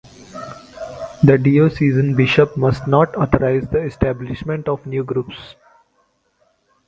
The diocesan bishop must not "authorize the establishment of new groups".